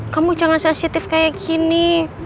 kamu jangan sensitif kayak gini